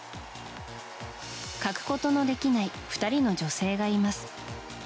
欠くことのできない２人の女性がいます。